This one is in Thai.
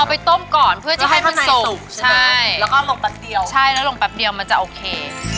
เอาไปต้มก่อนเพื่อจะให้มันสูงแล้วก็ลงแป๊บเดียวมันจะโอเค